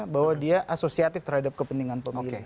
bahwa dia asosiatif terhadap kepentingan pemilih